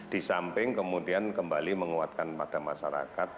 di samping kemudian kembali menguatkan pada masyarakat